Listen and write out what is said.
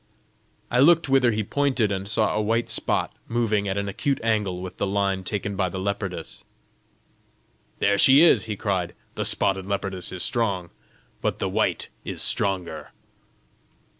I looked whither he pointed, and saw a white spot moving at an acute angle with the line taken by the leopardess. "There she is!" he cried. "The spotted leopardess is strong, but the white is stronger!"